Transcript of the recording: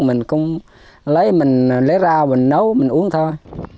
mình cũng lấy rau mình nấu mình uống thôi